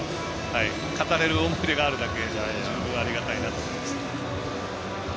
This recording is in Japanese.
語れる思い出があるだけ十分ありがたいなと思います。